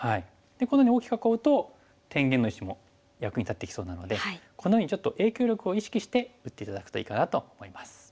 このように大きく囲うと天元の石も役に立ってきそうなのでこのようにちょっと影響力を意識して打って頂くといいかなと思います。